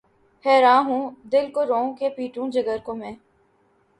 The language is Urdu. حیراں ہوں‘ دل کو روؤں کہ‘ پیٹوں جگر کو میں